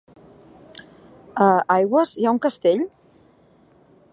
A Aigües hi ha un castell?